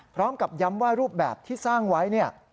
พร้อมกับย้ำว่ารูปแบบที่สร้างไว้เนี่ย